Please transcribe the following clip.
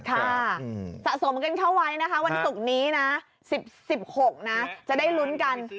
สะสมกันเข้าไว้นะคะวันศุกร์นี้นะ๑๖นะจะได้ลุ้นกัน